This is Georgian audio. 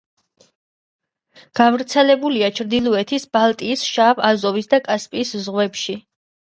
გავრცელებულია ჩრდილოეთის, ბალტიის, შავ, აზოვის და კასპიის ზღვებში.